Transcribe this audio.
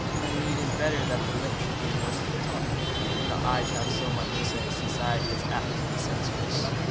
Only it is better that the lips should do most of the talking. When the eyes have so much to say society is apt to be censorious.